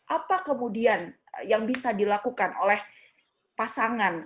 apa kemudian yang bisa dilakukan oleh pasangan